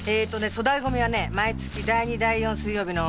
粗大ゴミは毎月第２第４の水曜日の朝。